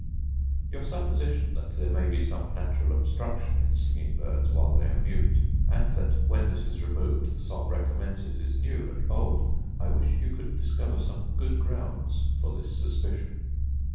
Your supposition that there may be some natural obstruction in singing birds while they are mute, and that when this is removed the song recommences is new and bold; I wish you could discover some good grounds for this suspicion.